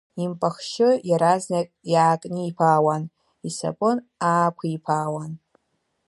Импахьшьы иаразнак иаакниԥаауан, исапан аақәиԥаауан.